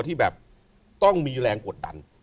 ที่แบบต้องมีแรงกดดัน